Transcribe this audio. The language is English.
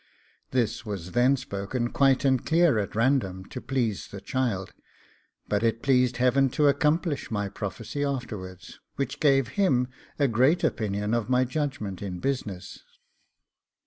This was then spoke quite and clear at random to please the child, but it pleased Heaven to accomplish my prophecy afterwards, which gave him a great opinion of my judgment in business.